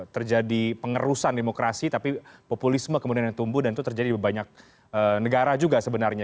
terjadi pengerusan demokrasi tapi populisme kemudian yang tumbuh dan itu terjadi di banyak negara juga sebenarnya